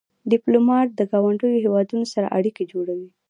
ډيپلومات د ګاونډیو هېوادونو سره اړیکې جوړوي.